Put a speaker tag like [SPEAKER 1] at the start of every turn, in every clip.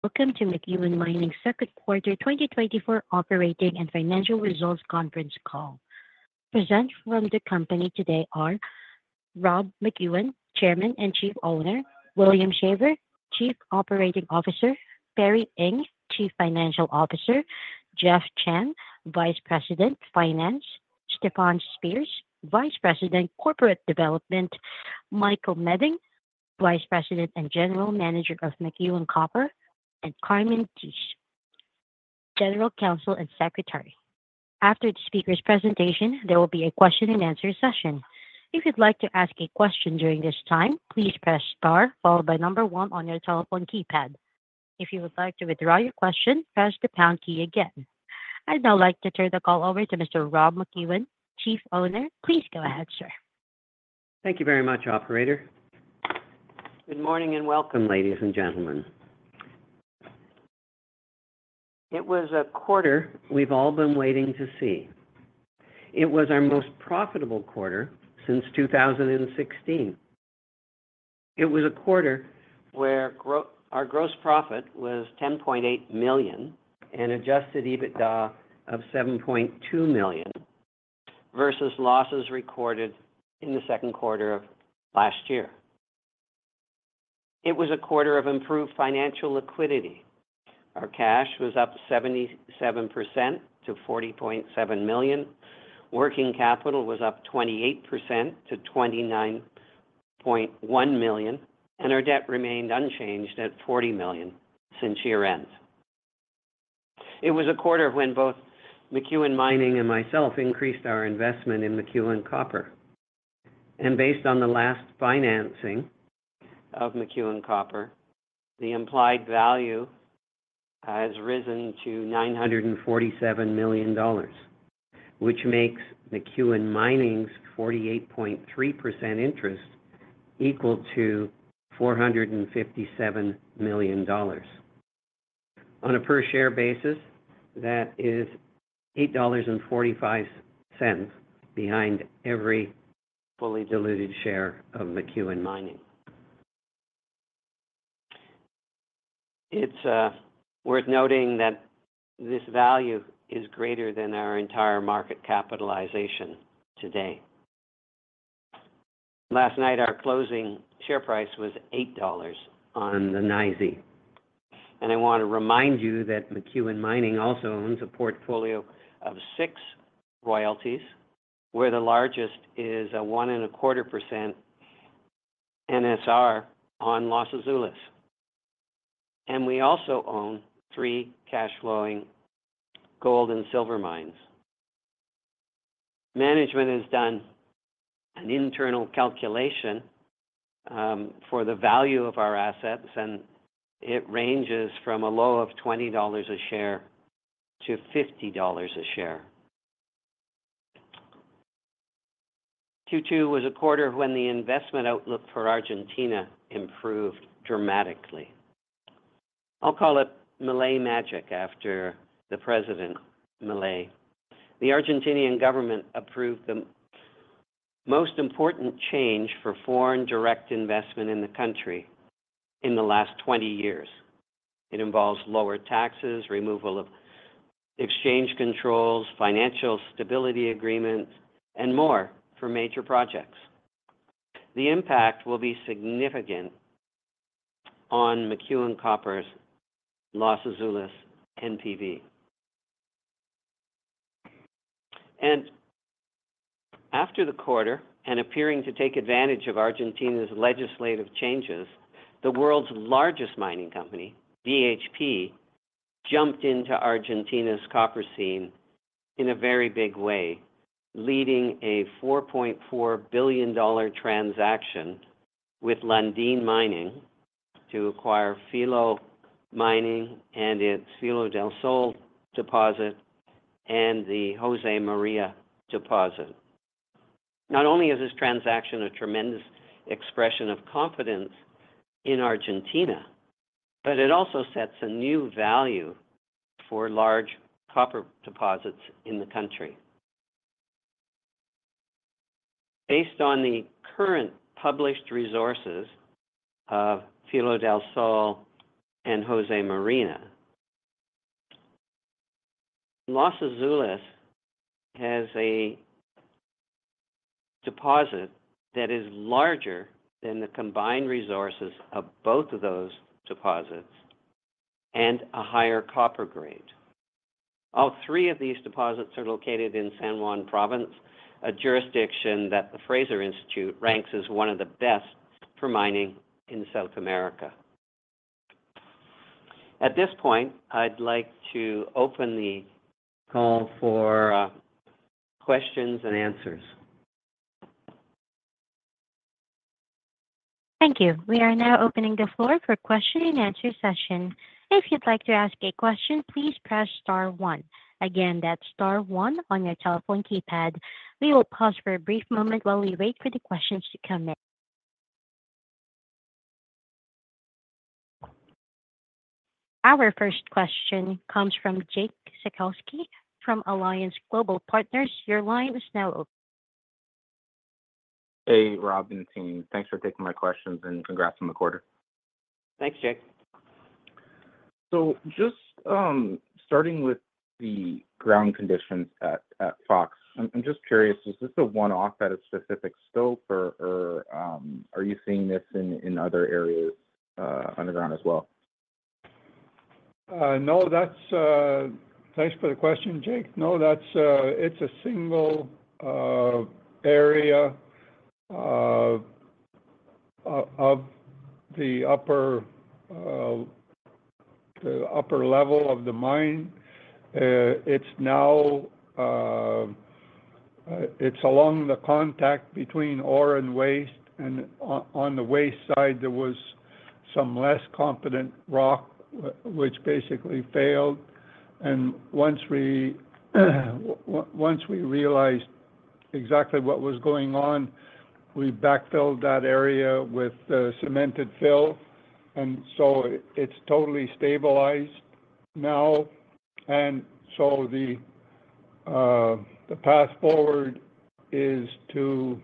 [SPEAKER 1] Welcome to McEwen Mining's Second Quarter 2024 Operating and Financial Results Conference Call. Present from the company today are Rob McEwen, Chairman and Chief Owner; William Shaver, Chief Operating Officer; Perry Ing, Chief Financial Officer; Jeff Chan, Vice President Finance; Stefan Spears, Vice President Corporate Development; Michael Meding, Vice President and General Manager of McEwen Copper; and Carmen Diges, General Counsel and Secretary. After the speaker's presentation, there will be a question-and-answer session. If you'd like to ask a question during this time, please press star followed by number one on your telephone keypad. If you would like to withdraw your question, press the pound key again. I'd now like to turn the call over to Mr. Rob McEwen, Chief Owner. Please go ahead, sir.
[SPEAKER 2] Thank you very much, Operator. Good morning and welcome, ladies and gentlemen. It was a quarter we've all been waiting to see. It was our most profitable quarter since 2016. It was a quarter where our gross profit was $10.8 million and adjusted EBITDA of $7.2 million versus losses recorded in the second quarter of last year. It was a quarter of improved financial liquidity. Our cash was up 77% to $40.7 million. Working capital was up 28% to $29.1 million, and our debt remained unchanged at $40 million since year-end. It was a quarter when both McEwen Mining and myself increased our investment in McEwen Copper. Based on the last financing of McEwen Copper, the implied value has risen to $947 million, which makes McEwen Mining's 48.3% interest equal to $457 million. On a per-share basis, that is $8.45 behind every fully diluted share of McEwen Mining. It's worth noting that this value is greater than our entire market capitalization today. Last night, our closing share price was $8 on the NYSE. I want to remind you that McEwen Mining also owns a portfolio of six royalties, where the largest is a 1.25% NSR on Los Azules. We also own three cash-flowing gold and silver mines. Management has done an internal calculation for the value of our assets, and it ranges from a low of $20 a share to $50 a share. Q2 was a quarter when the investment outlook for Argentina improved dramatically. I'll call it Milei magic after the President, Milei. The Argentine government approved the most important change for foreign direct investment in the country in the last 20 years. It involves lower taxes, removal of exchange controls, financial stability agreements, and more for major projects. The impact will be significant on McEwen Copper's Los Azules NPV. After the quarter, and appearing to take advantage of Argentina's legislative changes, the world's largest mining company, BHP, jumped into Argentina's copper scene in a very big way, leading a $4.4 billion transaction with Lundin Mining to acquire Filo Mining and its Filo del Sol deposit and the José María deposit. Not only is this transaction a tremendous expression of confidence in Argentina, but it also sets a new value for large copper deposits in the country. Based on the current published resources of Filo del Sol and José María, Los Azules has a deposit that is larger than the combined resources of both of those deposits and a higher copper grade. All three of these deposits are located in San Juan Province, a jurisdiction that the Fraser Institute ranks as one of the best for mining in South America. At this point, I'd like to open the call for questions and answers.
[SPEAKER 1] Thank you. We are now opening the floor for a question-and-answer session. If you'd like to ask a question, please press star one. Again, that's star one on your telephone keypad. We will pause for a brief moment while we wait for the questions to come in. Our first question comes from Jake Sekelsky from Alliance Global Partners. Your line is now open.
[SPEAKER 3] Hey, Rob and team. Thanks for taking my questions and congrats on the quarter.
[SPEAKER 2] Thanks, Jake.
[SPEAKER 3] Just starting with the ground conditions at Fox, I'm just curious, is this a one-off at a specific slope or are you seeing this in other areas underground as well?
[SPEAKER 4] No, thanks for the question, Jake. No, it's a single area of the upper level of the mine. It's along the contact between ore and waste, and on the waste side, there was some less competent rock, which basically failed. Once we realized exactly what was going on, we backfilled that area with the cemented fill, and so it's totally stabilized now. So the path forward is to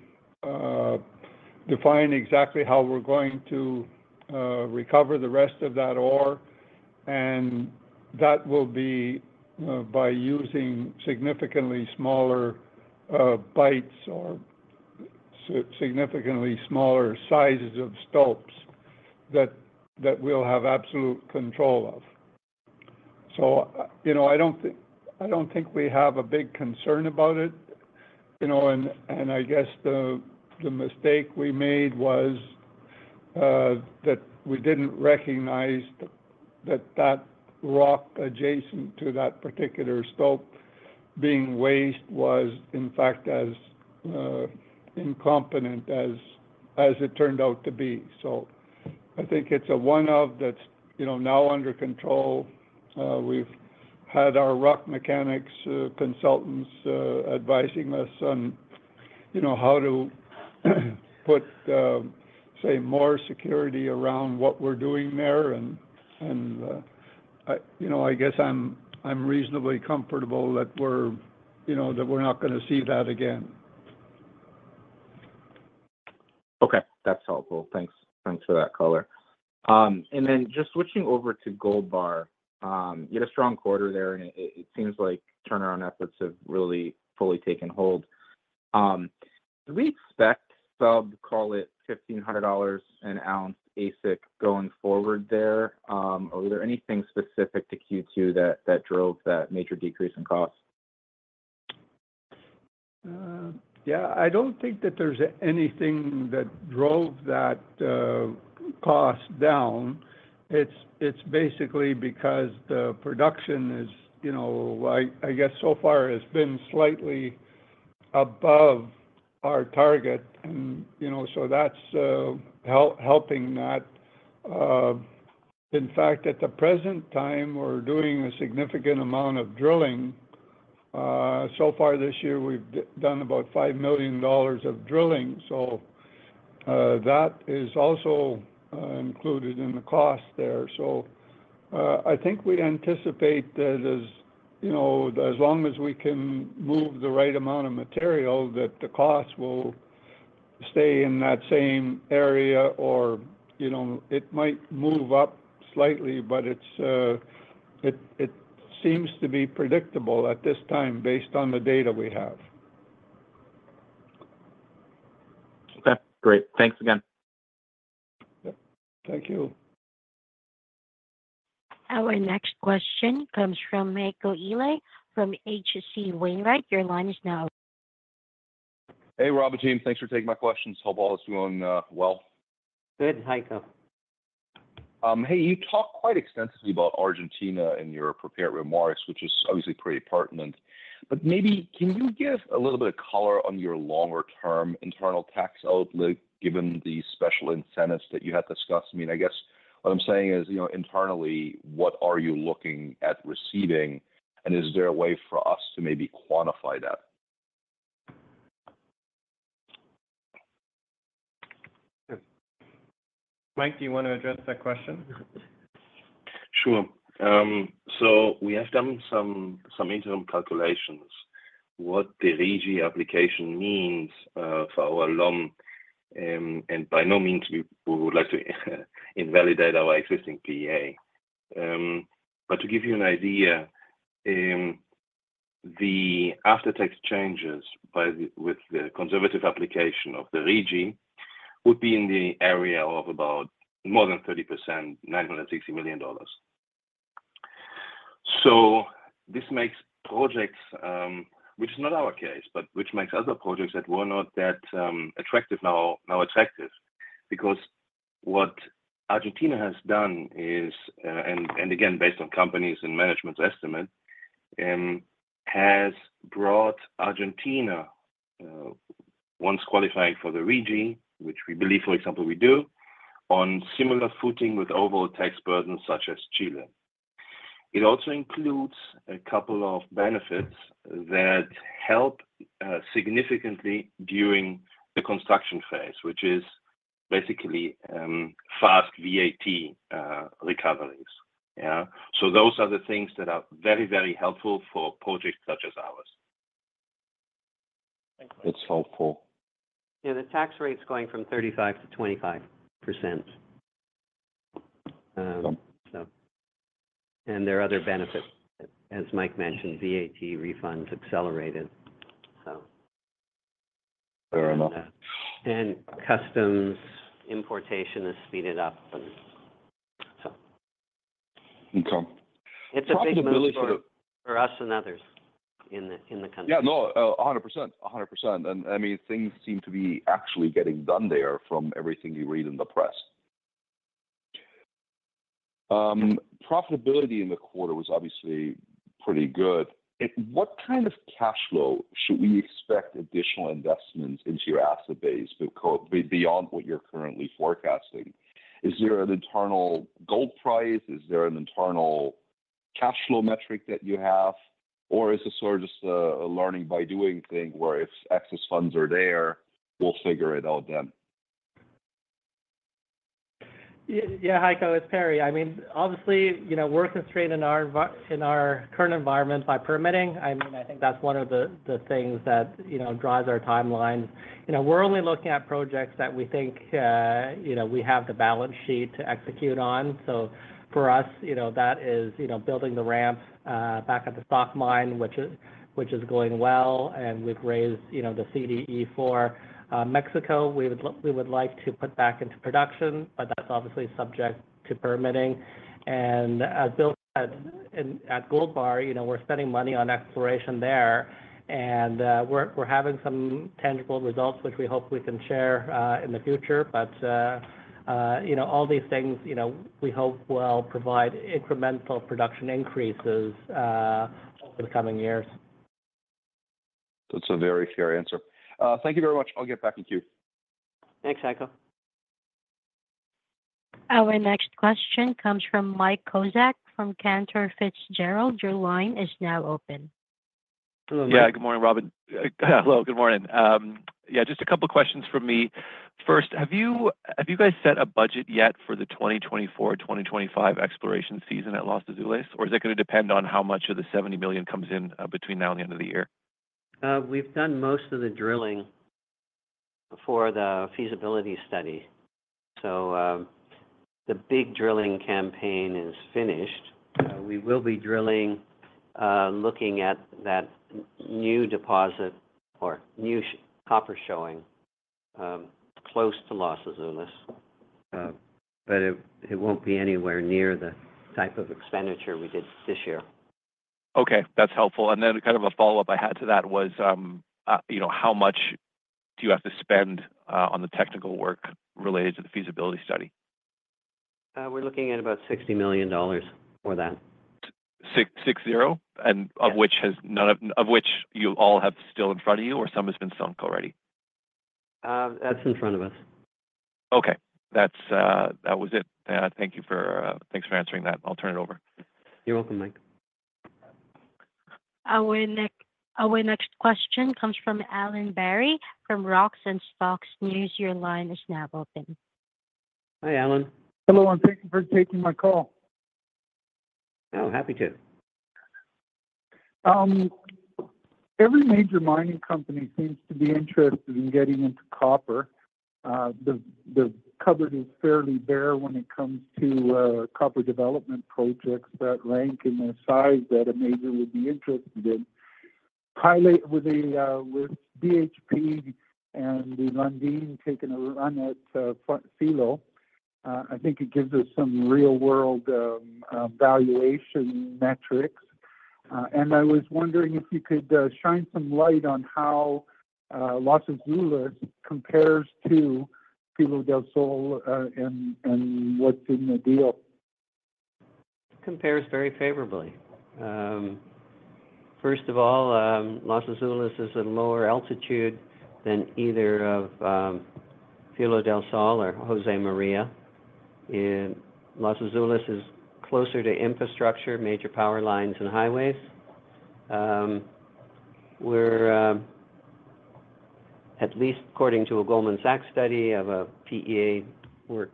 [SPEAKER 4] define exactly how we're going to recover the rest of that ore, and that will be by using significantly smaller bites or significantly smaller sizes of stopes that we'll have absolute control of. So I don't think we have a big concern about it. I guess the mistake we made was that we didn't recognize that that rock adjacent to that particular stope being waste was, in fact, as incompetent as it turned out to be. So I think it's a one-off that's now under control. We've had our rock mechanics consultants advising us on how to put, say, more security around what we're doing there. And I guess I'm reasonably comfortable that we're not going to see that again.
[SPEAKER 3] Okay. That's helpful. Thanks for that color. And then just switching over to Gold Bar, you had a strong quarter there, and it seems like turnaround efforts have really fully taken hold. Do we expect, well, to call it $1,500 an ounce AISC going forward there? Are there anything specific to Q2 that drove that major decrease in cost?
[SPEAKER 4] Yeah, I don't think that there's anything that drove that cost down. It's basically because the production is, I guess, so far has been slightly above our target. And so that's helping that. In fact, at the present time, we're doing a significant amount of drilling. So far this year, we've done about $5 million of drilling. So that is also included in the cost there. So I think we anticipate that as long as we can move the right amount of material, that the cost will stay in that same area, or it might move up slightly, but it seems to be predictable at this time based on the data we have.
[SPEAKER 3] Okay. Great. Thanks again.
[SPEAKER 4] Thank you.
[SPEAKER 1] Our next question comes from Heiko Ihle from H.C. Wainwright. Your line is now.
[SPEAKER 5] Hey, Rob and team. Thanks for taking my questions. Hope all is going well.
[SPEAKER 2] Good. Heiko.
[SPEAKER 5] Hey, you talk quite extensively about Argentina in your prepared remarks, which is obviously pretty pertinent. But maybe can you give a little bit of color on your longer-term internal tax outlook given the special incentives that you have discussed? I mean, I guess what I'm saying is, internally, what are you looking at receiving, and is there a way for us to maybe quantify that?
[SPEAKER 2] Mike, do you want to address that question?
[SPEAKER 6] Sure. So we have done some interim calculations what the RIGI application means for our loan. And by no means would we like to invalidate our existing PEA. But to give you an idea, the after-tax changes with the conservative application of the RIGI would be in the area of about more than 30%, $960 million. So this makes projects, which is not our case, but which makes other projects that were not that attractive now attractive. Because what Argentina has done is, and again, based on companies and management's estimate, has brought Argentina, once qualifying for the RIGI, which we believe, for example, we do, on similar footing with overall tax burdens such as Chile. It also includes a couple of benefits that help significantly during the construction phase, which is basically fast VAT recoveries. Yeah? Those are the things that are very, very helpful for projects such as ours.
[SPEAKER 5] Thanks, Mike. It's helpful.
[SPEAKER 2] Yeah, the tax rate's going from 35%-25%. And there are other benefits, as Mike mentioned, VAT refunds accelerated.
[SPEAKER 5] Very much.
[SPEAKER 2] Customs importation is speeded up.
[SPEAKER 5] Income.
[SPEAKER 2] It's a big deal for us and others in the country.
[SPEAKER 5] Yeah, no, 100%. 100%. And I mean, things seem to be actually getting done there from everything you read in the press. Profitability in the quarter was obviously pretty good. What kind of cash flow should we expect additional investments into your asset base beyond what you're currently forecasting? Is there an internal gold price? Is there an internal cash flow metric that you have? Or is it sort of just a learning-by-doing thing where if excess funds are there, we'll figure it out then?
[SPEAKER 7] Yeah, Heiko. It's Perry. I mean, obviously, we're constrained in our current environment by permitting. I mean, I think that's one of the things that drives our timeline. We're only looking at projects that we think we have the balance sheet to execute on. So for us, that is building the ramp back at the Stock Mine, which is going well. And we've raised the CDE for Mexico. We would like to put back into production, but that's obviously subject to permitting. And at Gold Bar, we're spending money on exploration there. And we're having some tangible results, which we hope we can share in the future. But all these things, we hope will provide incremental production increases in the coming years.
[SPEAKER 5] That's a very fair answer. Thank you very much. I'll get back to you.
[SPEAKER 7] Thanks, Heiko.
[SPEAKER 1] Our next question comes from Mike Kozak from Cantor Fitzgerald. Your line is now open.
[SPEAKER 8] Yeah, good morning, Rob. Hello, good morning. Yeah, just a couple of questions for me. First, have you guys set a budget yet for the 2024/2025 exploration season at Los Azules? Or is it going to depend on how much of the $70 million comes in between now and the end of the year?
[SPEAKER 2] We've done most of the drilling for the feasibility study. The big drilling campaign is finished. We will be drilling, looking at that new deposit or new copper showing close to Los Azules. It won't be anywhere near the type of expenditure we did this year.
[SPEAKER 8] Okay. That's helpful. And then kind of a follow-up I had to that was, how much do you have to spend on the technical work related to the feasibility study?
[SPEAKER 2] We're looking at about $60 million for that.
[SPEAKER 8] 60 million? And of which you all have still in front of you, or some has been sunk already?
[SPEAKER 2] That's in front of us.
[SPEAKER 8] Okay. That was it. Thank you for answering that. I'll turn it over.
[SPEAKER 2] You're welcome, Mike.
[SPEAKER 1] Our next question comes from Allan Barry from Rocks and Stocks News. Your line is now open.
[SPEAKER 2] Hi, Allan.
[SPEAKER 9] Hello. I'm thankful for taking my call.
[SPEAKER 2] Oh, happy to.
[SPEAKER 9] Every major mining company seems to be interested in getting into copper. The coverage is fairly bare when it comes to copper development projects that rank in the size that a major would be interested in. With BHP and the Lundin taking a run at Filo, I think it gives us some real-world valuation metrics. I was wondering if you could shine some light on how Los Azules compares to Filo del Sol and what's in the deal.
[SPEAKER 2] Compares very favorably. First of all, Los Azules is at lower altitude than either of Filo del Sol or José María. Los Azules is closer to infrastructure, major power lines, and highways. At least according to a Goldman Sachs study of a PEA work,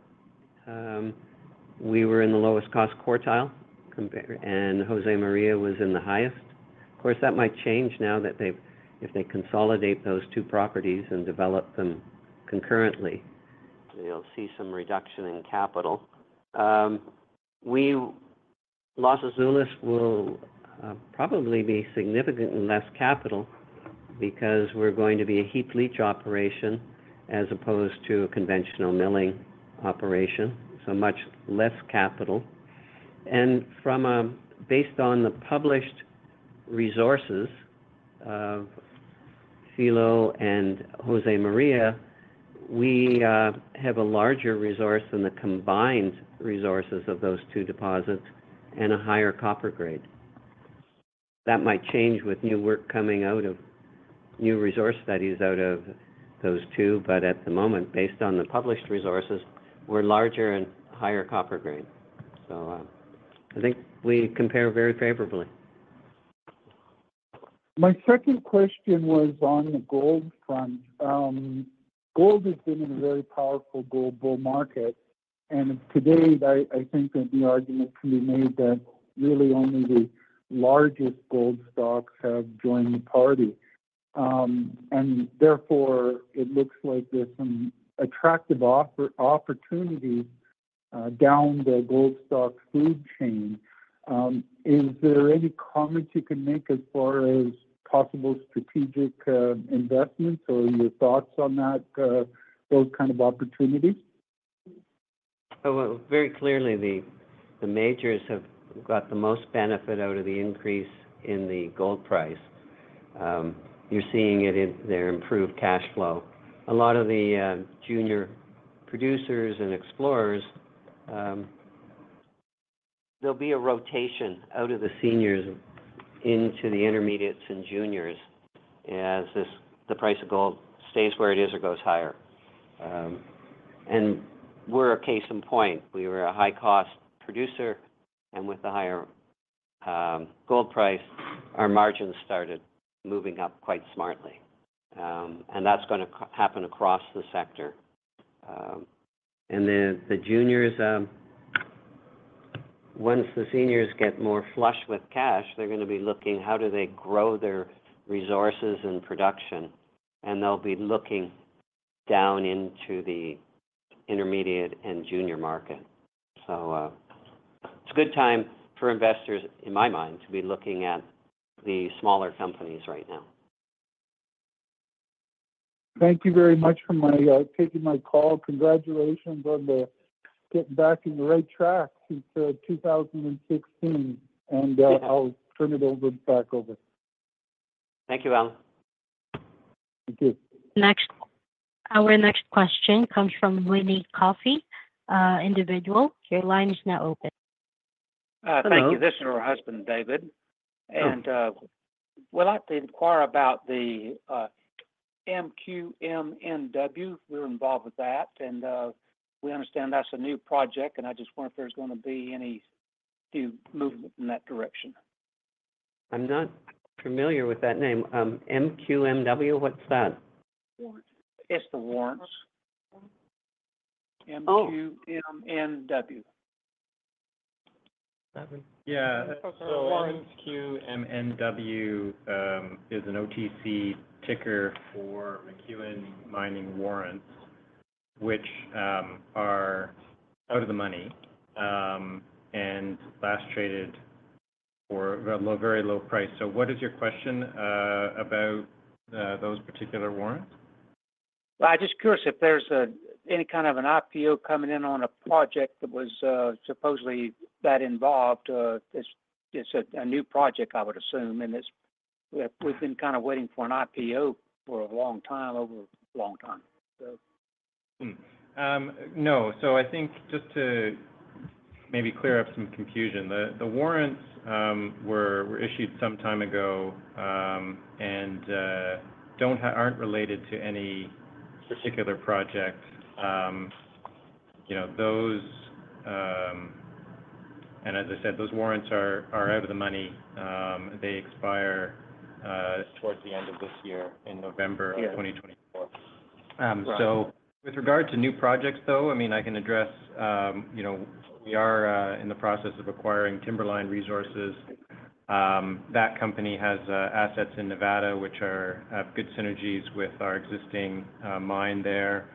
[SPEAKER 2] we were in the lowest-cost quartile, and José María was in the highest. Of course, that might change now that if they consolidate those two properties and develop them concurrently, they'll see some reduction in capital. Los Azules will probably be significantly less capital because we're going to be a heap leach operation as opposed to a conventional milling operation, so much less capital. Based on the published resources of Filo and José María, we have a larger resource than the combined resources of those two deposits and a higher copper grade. That might change with new work coming out of new resource studies out of those two, but at the moment, based on the published resources, we're larger and higher copper grade. So I think we compare very favorably.
[SPEAKER 9] My second question was on the gold front. Gold has been in a very powerful global market. Today, I think that the argument can be made that really only the largest gold stocks have joined the party. Therefore, it looks like there's some attractive opportunities down the gold stock food chain. Is there any comment you can make as far as possible strategic investments or your thoughts on that gold kind of opportunity?
[SPEAKER 2] Well, very clearly, the majors have got the most benefit out of the increase in the gold price. You're seeing it in their improved cash flow. A lot of the junior producers and explorers, there'll be a rotation out of the seniors into the intermediates and juniors as the price of gold stays where it is or goes higher. We're a case in point. We were a high-cost producer, and with the higher gold price, our margins started moving up quite smartly. That's going to happen across the sector. The juniors, once the seniors get more flush with cash, they're going to be looking at how do they grow their resources and production. They'll be looking down into the intermediate and junior market. It's a good time for investors, in my mind, to be looking at the smaller companies right now.
[SPEAKER 9] Thank you very much for taking my call. Congratulations on getting back on the right track since 2016. I'll turn it back over.
[SPEAKER 2] Thank you, Allan.
[SPEAKER 9] Thank you.
[SPEAKER 1] Our next question comes from Winnie Coffey, individual. Your line is now open.
[SPEAKER 10] Thank you. This is her husband, David. And we'd like to inquire about the MQMNW. We're involved with that. And we understand that's a new project. And I just wonder if there's going to be any new movement in that direction. I'm not familiar with that name. MQMW? What's that?
[SPEAKER 2] It's the warrants.
[SPEAKER 10] MQMNW.
[SPEAKER 2] Yeah. So MQMNW is an OTC ticker for McEwen Mining Warrants, which are out of the money and last traded for a very low price. So what is your question about those particular warrants?
[SPEAKER 10] Well, I'm just curious if there's any kind of an IPO coming in on a project that was supposedly that involved. It's a new project, I would assume. We've been kind of waiting for an IPO for a long time, over a long time.
[SPEAKER 6] No. So I think just to maybe clear up some confusion, the warrants were issued some time ago and aren't related to any particular project. And as I said, those warrants are out of the money. They expire towards the end of this year in November 2024. So with regard to new projects, though, I mean, I can address we are in the process of acquiring Timberline Resources. That company has assets in Nevada, which are good synergies with our existing mine there.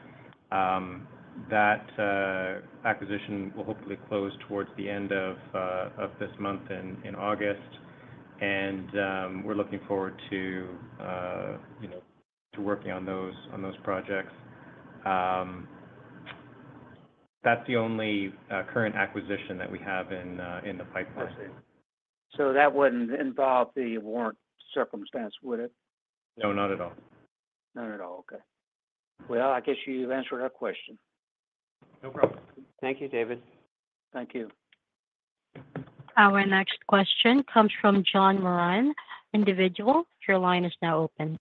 [SPEAKER 6] That acquisition will hopefully close towards the end of this month in August. And we're looking forward to working on those projects. That's the only current acquisition that we have in the pipeline.
[SPEAKER 10] I see. So that wouldn't involve the warrant circumstance, would it?
[SPEAKER 6] No, not at all.
[SPEAKER 10] Not at all. Okay. Well, I guess you've answered our question.
[SPEAKER 6] No problem.
[SPEAKER 2] Thank you, David.
[SPEAKER 10] Thank you.
[SPEAKER 1] Our next question comes from John Moran, individual. Your line is now open.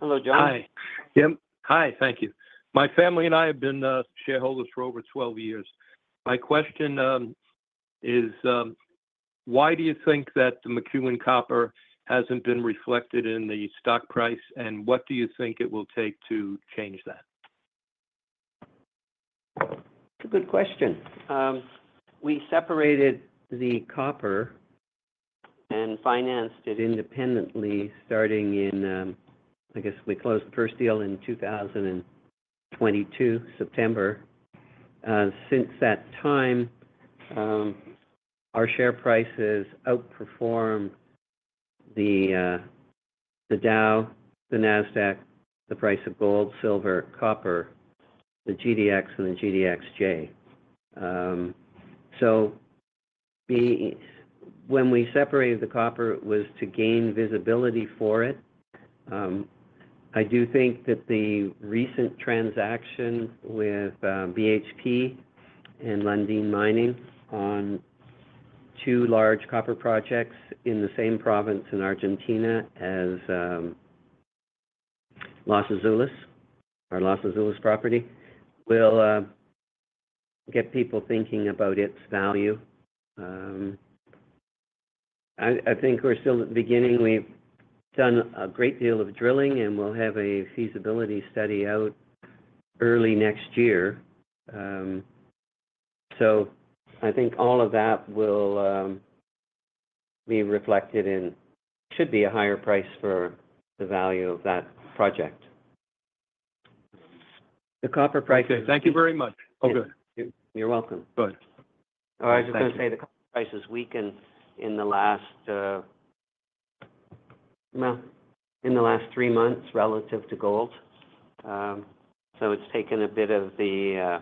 [SPEAKER 2] Hello, John.
[SPEAKER 6] Hi.
[SPEAKER 10] Yep. Hi. Thank you. My family and I have been shareholders for over 12 years. My question is, why do you think that the McEwen Copper hasn't been reflected in the stock price, and what do you think it will take to change that? That's a good question.
[SPEAKER 2] We separated the copper and financed it independently starting in, I guess we closed the first deal in 2022, September. Since that time, our share prices outperform the Dow, the NASDAQ, the price of gold, silver, copper, the GDX, and the GDXJ. So when we separated the copper, it was to gain visibility for it. I do think that the recent transaction with BHP and Lundin Mining on two large copper projects in the same province in Argentina as Los Azules, our Los Azules property, will get people thinking about its value. I think we're still at the beginning. We've done a great deal of drilling, and we'll have a feasibility study out early next year. So I think all of that will be reflected in should be a higher price for the value of that project. The copper price.
[SPEAKER 10] Okay. Thank you very much.
[SPEAKER 2] Oh, good. You're welcome.
[SPEAKER 6] Good.
[SPEAKER 2] I was just going to say the copper price is weakened in the last three months relative to gold. So it's taken a bit of the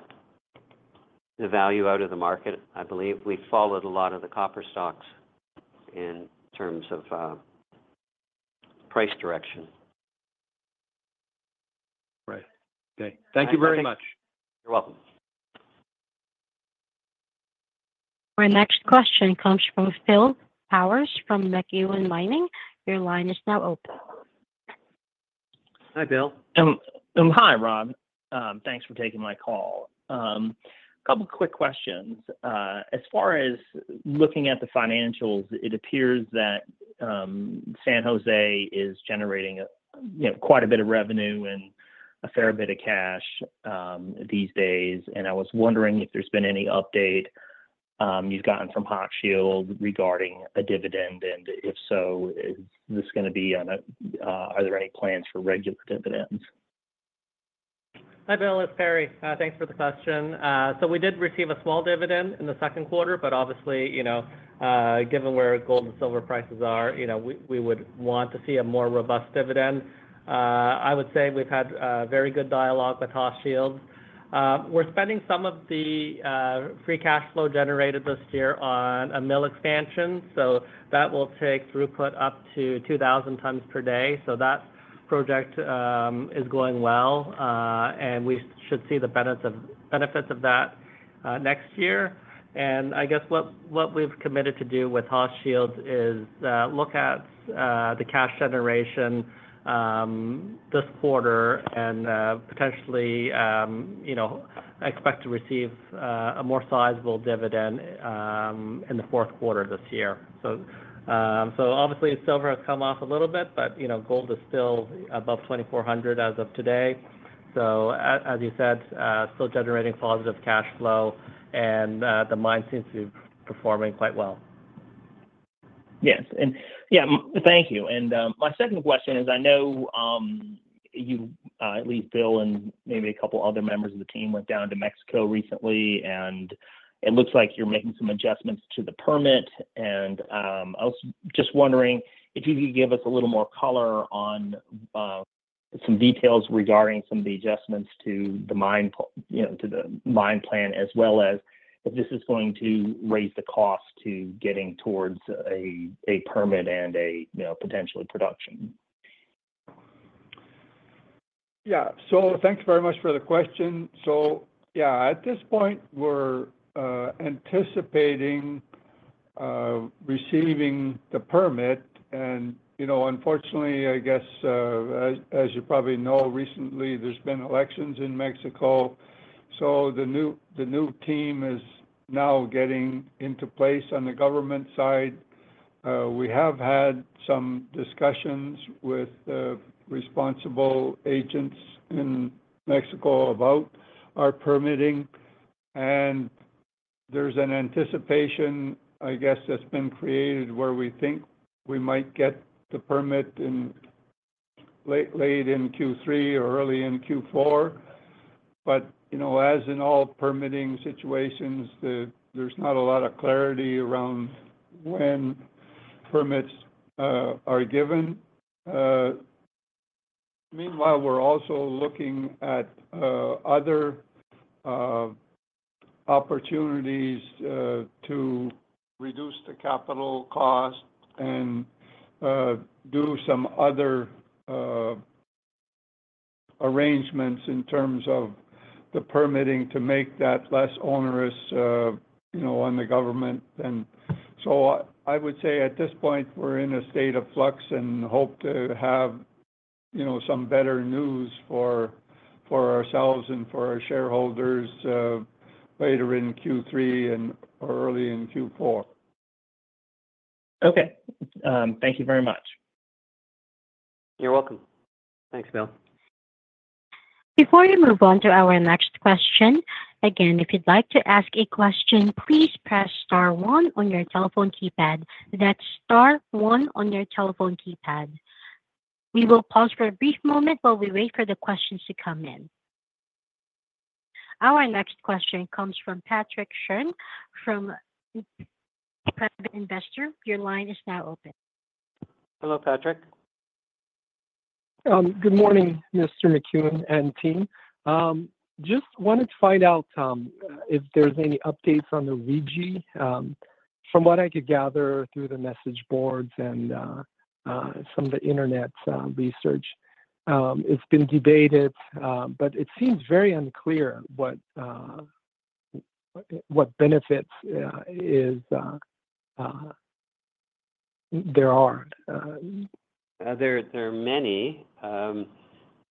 [SPEAKER 2] value out of the market, I believe. We've followed a lot of the copper stocks in terms of price direction.
[SPEAKER 10] Right. Okay. Thank you very much.
[SPEAKER 2] You're welcome.
[SPEAKER 1] Our next question comes from Phil Ker from McEwen Mining. Your line is now open.
[SPEAKER 2] Hi, Phil.
[SPEAKER 11] Hi, Rob. Thanks for taking my call. A couple of quick questions. As far as looking at the financials, it appears that San Jose is generating quite a bit of revenue and a fair bit of cash these days. And I was wondering if there's been any update you've gotten from Hochschild regarding a dividend. And if so, is this going to be on a? Are there any plans for regular dividends?
[SPEAKER 7] Hi, Phil. It's Perry. Thanks for the question. So we did receive a small dividend in the second quarter, but obviously, given where gold and silver prices are, we would want to see a more robust dividend. I would say we've had a very good dialogue with Hochschild. We're spending some of the free cash flow generated this year on a mill expansion. So that will take throughput up to 2,000 tons per day. So that project is going well. And we should see the benefits of that next year. And I guess what we've committed to do with Hochschild is look at the cash generation this quarter and potentially expect to receive a more sizable dividend in the fourth quarter this year. So obviously, silver has come off a little bit, but gold is still above $2,400 as of today. As you said, still generating positive cash flow, and the mine seems to be performing quite well.
[SPEAKER 11] Yes. And yeah, thank you. And my second question is, I know you, at least Bill, and maybe a couple of other members of the team went down to Mexico recently. And it looks like you're making some adjustments to the permit. And I was just wondering if you could give us a little more color on some details regarding some of the adjustments to the mine plan, as well as if this is going to raise the cost to getting towards a permit and a potentially production?
[SPEAKER 4] Yeah. So thanks very much for the question. So yeah, at this point, we're anticipating receiving the permit. And unfortunately, I guess, as you probably know, recently, there's been elections in Mexico. So the new team is now getting into place on the government side. We have had some discussions with the responsible agents in Mexico about our permitting. And there's an anticipation, I guess, that's been created where we think we might get the permit late in Q3 or early in Q4. But as in all permitting situations, there's not a lot of clarity around when permits are given. Meanwhile, we're also looking at other opportunities to reduce the capital cost and do some other arrangements in terms of the permitting to make that less onerous on the government.I would say at this point, we're in a state of flux and hope to have some better news for ourselves and for our shareholders later in Q3 and early in Q4.
[SPEAKER 11] Okay. Thank you very much.
[SPEAKER 2] You're welcome.
[SPEAKER 11] Thanks, Bill.
[SPEAKER 1] Before we move on to our next question, again, if you'd like to ask a question, please press star one on your telephone keypad. That's star one on your telephone keypad. We will pause for a brief moment while we wait for the questions to come in. Our next question comes from Patrick Shern from Investor. Your line is now open.
[SPEAKER 2] Hello, Patrick.
[SPEAKER 12] Good morning, Mr. McEwen and team. Just wanted to find out if there's any updates on the RIGI. From what I could gather through the message boards and some of the internet research, it's been debated, but it seems very unclear what benefits there are.
[SPEAKER 2] There are many.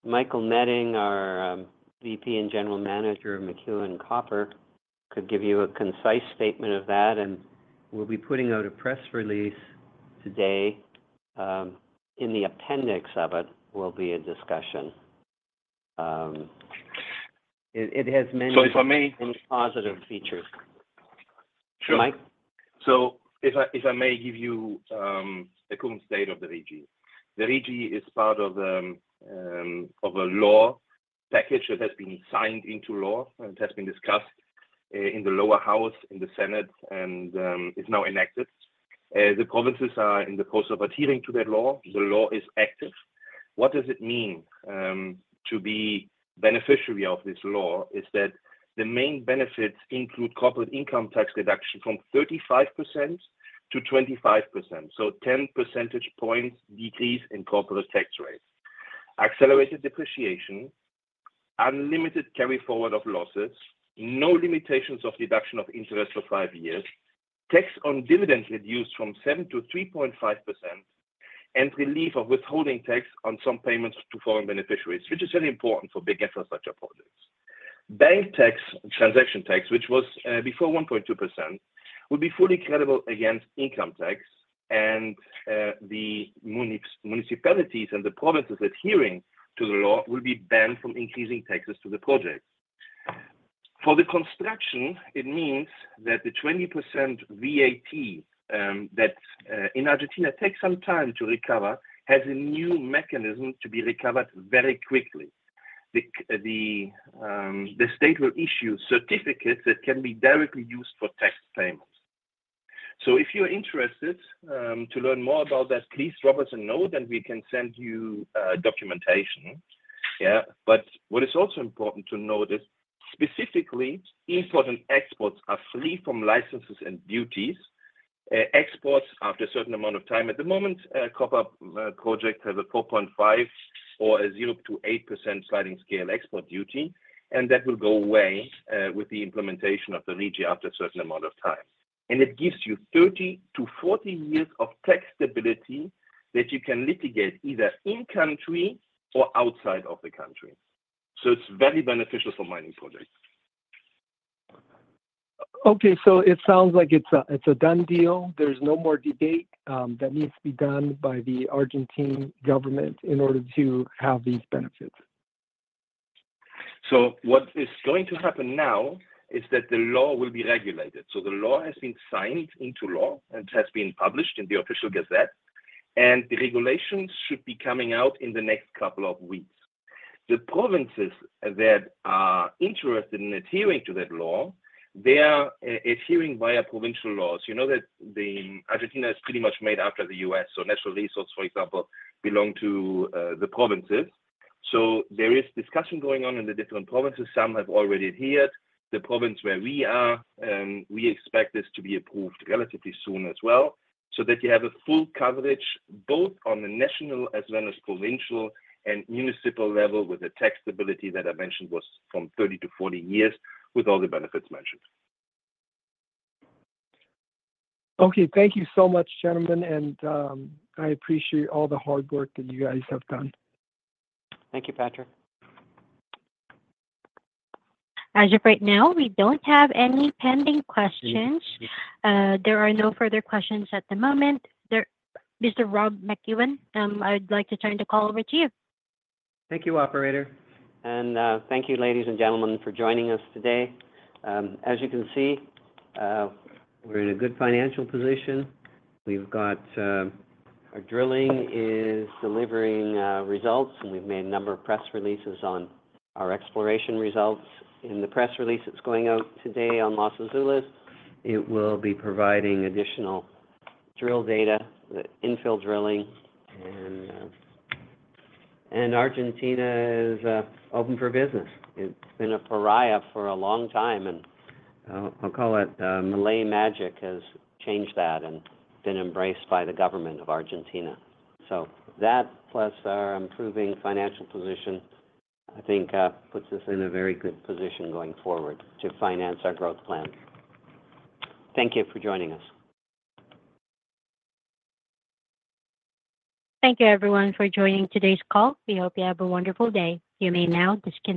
[SPEAKER 2] Michael Meding, our VP and General Manager of McEwen Copper, could give you a concise statement of that. We'll be putting out a press release today. In the appendix of it, will be a discussion. It has many positive features.
[SPEAKER 6] Sure. So if I may give you a current state of the RIGI. The RIGI is part of a law package that has been signed into law and has been discussed in the lower house, in the Senate, and is now enacted. The provinces are in the process of adhering to that law. The law is active. What does it mean to be beneficiary of this law is that the main benefits include corporate income tax reduction from 35%-25%. So 10% points decrease in corporate tax rate, accelerated depreciation, unlimited carry forward of losses, no limitations of deduction of interest for five years, tax on dividends reduced from 7%-3.5%, and relief of withholding tax on some payments to foreign beneficiaries, which is very important for big infrastructure projects. Bank tax and transaction tax, which was before 1.2%, would be fully credible against income tax. The municipalities and the provinces adhering to the law will be banned from increasing taxes to the project. For the construction, it means that the 20% VAT that in Argentina takes some time to recover has a new mechanism to be recovered very quickly. The state will issue certificates that can be directly used for tax payments. So if you're interested to learn more about that, please drop us a note and we can send you documentation. Yeah. But what is also important to note is specifically imports and exports are free from licenses and duties. Exports after a certain amount of time. At the moment, copper projects have a 4.5% or 0%-8% sliding scale export duty, and that will go away with the implementation of the RIGI after a certain amount of time.It gives you 30-40 years of tax stability that you can litigate either in-country or outside of the country. So it's very beneficial for mining projects.
[SPEAKER 12] Okay. It sounds like it's a done deal. There's no more debate that needs to be done by the Argentine government in order to have these benefits.
[SPEAKER 6] So what is going to happen now is that the law will be regulated. So the law has been signed into law and has been published in the official gazette. And the regulations should be coming out in the next couple of weeks. The provinces that are interested in adhering to that law, they are adhering via provincial laws. You know that Argentina is pretty much made up like the U.S. So natural resource, for example, belong to the provinces. So there is discussion going on in the different provinces. Some have already adhered. The province where we are, and we expect this to be approved relatively soon as well, so that you have a full coverage both on the national as well as provincial and municipal level with the tax stability that I mentioned was from 30-40 years with all the benefits mentioned.
[SPEAKER 12] Okay. Thank you so much, gentlemen. I appreciate all the hard work that you guys have done.
[SPEAKER 2] Thank you, Patrick.
[SPEAKER 1] As of right now, we don't have any pending questions. There are no further questions at the moment. Mr. Rob McEwen, I'd like to turn the call over to you.
[SPEAKER 2] Thank you, Operator. Thank you, ladies and gentlemen, for joining us today. As you can see, we're in a good financial position. Our drilling is delivering results, and we've made a number of press releases on our exploration results. In the press release that's going out today on Los Azules, it will be providing additional drill data, infill drilling, and Argentina is open for business. It's been a pariah for a long time, and, I'll call it, Milei magic has changed that and been embraced by the government of Argentina. So that plus our improving financial position, I think, puts us in a very good position going forward to finance our growth plan. Thank you for joining us.
[SPEAKER 1] Thank you, everyone, for joining today's call. We hope you have a wonderful day. You may now disconnect.